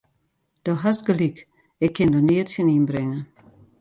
Do hast gelyk, ik kin der neat tsjin ynbringe.